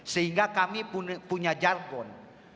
sehingga kami punya jargon